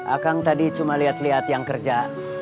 akang tadi cuma lihat lihat yang kerja